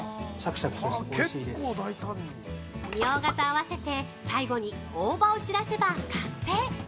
◆ミョウガと合わせて最後に大葉を散らせば完成！